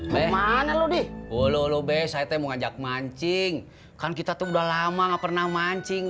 mana lo di wolo be saya mau ngajak mancing kan kita tuh udah lama nggak pernah mancing